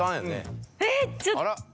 えっちょっ。